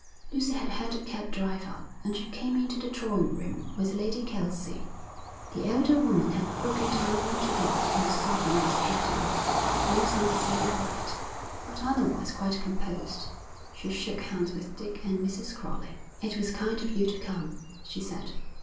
Lucy had heard the cab drive up, and she came into the drawing room with Lady Kelsey. The elder woman had broken down altogether and was sobbing distractedly. Lucy was very white, but otherwise quite composed. She shook hands with Dick and Mrs. Crowley. 'It was kind of you to come,' she said.